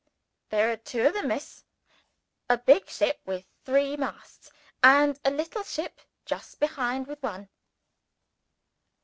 "There are two of them, Miss. A big ship, with three masts. And a little ship just behind, with one."